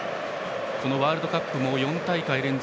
このワールドカップも４大会連続。